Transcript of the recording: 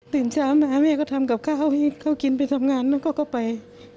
เช้ามาแม่ก็ทำกับข้าวให้เขากินไปทำงานแล้วก็ไป